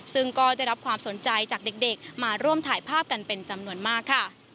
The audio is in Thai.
ซึ่งก็ได้รับความสนใจจากเด็กมาร่วมถ่ายภาพกันเป็นจำนวนมากค่ะ